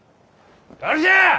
誰じゃ！